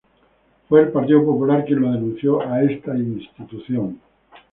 Fue el Partido Popular quien lo denunció a esta institución.